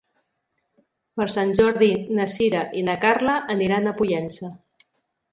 Per Sant Jordi na Sira i na Carla aniran a Pollença.